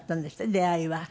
出会いは。